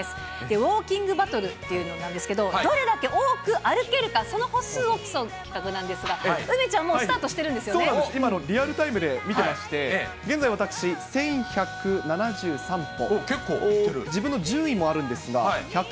ウォーキングバトルっていうのがあるんですけれども、どれだけ多く歩けるか、その歩数を競う企画なんですが、梅ちゃん、もうスタそうなんです、今のリアルタイムで見てまして、現在、私１１７３歩。